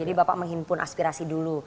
jadi bapak menghimpun aspirasi dulu